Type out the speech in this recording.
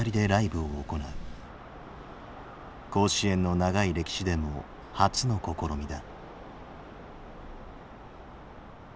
甲子園の長い歴史でも初の試みだ。